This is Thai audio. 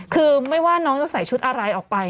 คือไม่ว่าน้องจะใส่ชุดอะไรออกไป